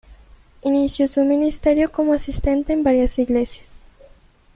Inició su ministerio como asistente en varias iglesias.